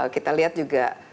kita lihat juga